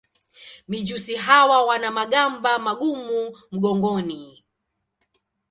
Mijusi hawa wana magamba magumu mgongoni.